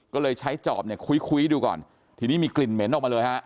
ก็เลยใช้จอบเนี่ยคุ้ยคุยดูก่อนทีนี้มีกลิ่นเหม็นออกมาเลยฮะ